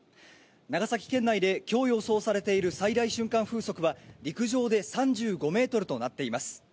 長崎県内できょう、予想されている最大瞬間風速は、陸上で３５メートルとなっています。